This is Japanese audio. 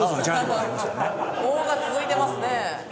棒が続いてますね。